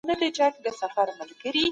په مال کي د نورو حق سته.